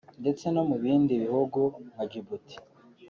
ndetse no mu bindi bihugu nka Djibouti